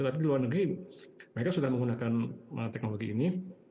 tapi di luar negeri mereka sudah menggunakan teknologi ini